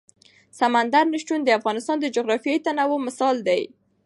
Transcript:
سمندر نه شتون د افغانستان د جغرافیوي تنوع مثال دی.